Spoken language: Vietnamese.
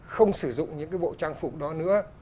không sử dụng những cái bộ trang phục đó nữa